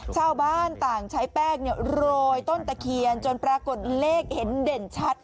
ชาวบ้านต่างใช้แป้งโรยต้นตะเคียนจนปรากฏเลขเห็นเด่นชัด